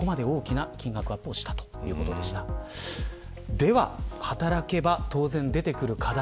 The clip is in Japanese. では、働けば当然出てくる課題